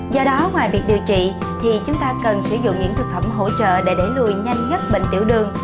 do đó ngoài việc điều trị thì chúng ta cần sử dụng những thực phẩm hỗ trợ để đẩy lùi nhanh nhất bệnh tiểu đường